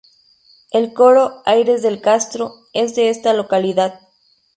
El coro "Aires del Castro" es de esta localidad.